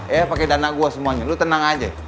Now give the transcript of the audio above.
ya pake dana gua semuanya lo tenang aja